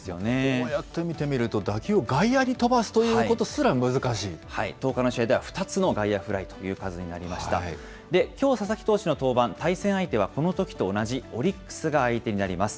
こうやって見てみると、打球を外野に飛ばすということすら難１０日の試合では２つの外野フライという、きょう佐々木投手の登板、対戦相手はこのときと同じオリックスが相手になります。